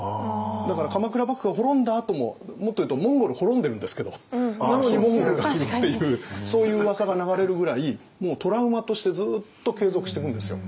だから鎌倉幕府が滅んだあとももっと言うとモンゴル滅んでるんですけどなのにモンゴルが来るっていうそういううわさが流れるぐらいもうトラウマとしてずっと継続してくんですよ。